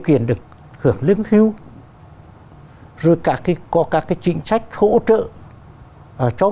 kiện được hưởng lương hưu rồi có cả cái chính sách hỗ trợ cho